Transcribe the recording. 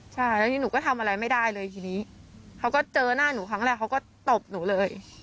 ใช่แล้วทีนี้หนูก็ทำอะไรไม่ได้เลยทีนี้เขาก็เจอหน้าหนูครั้งแรกเขาก็ตบหนูเลย